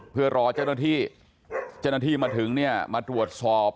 เพื่อรอเจ้าหน้าที่มาถึงเนี่ยมาตรวจสอบ